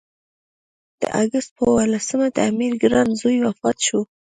د اګست پر اووه لسمه د امیر ګران زوی وفات شو.